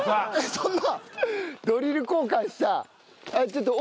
そんな。